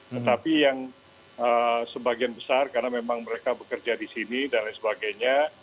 tetapi yang sebagian besar karena memang mereka bekerja di sini dan lain sebagainya